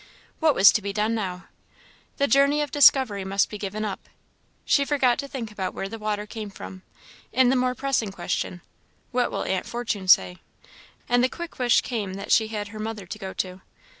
What was to be done now! The journey of discovery must be given up. She forgot to think about where the water came from, in the more pressing question, "What will Aunt Fortune say?" and the quick wish came that she had her mother to go to.